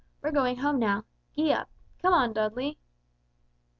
We're going home now Gee up. Come on, Dudley."